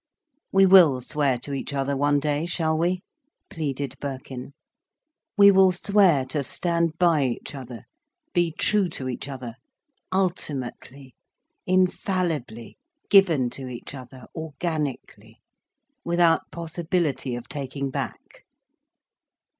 "We will swear to each other, one day, shall we?" pleaded Birkin. "We will swear to stand by each other—be true to each other—ultimately—infallibly—given to each other, organically—without possibility of taking back."